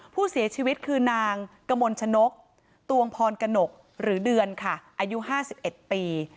ผู้เสียชีวิตคือนางกมลชนกตวงพรกนกหรือเดือนค่ะอายุ๕๑ปี